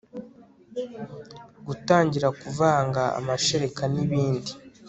gutangira kuvanga amashereka n ibindi